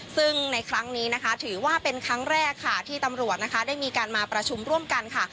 ซึ่งในครั้งนี้นะคะถือว่าเป็นครั้งแรกค่ะที่ตำรวจนะคะได้มีการมาประชุมร่วมกันค่ะ